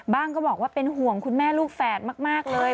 ก็บอกว่าเป็นห่วงคุณแม่ลูกแฝดมากเลย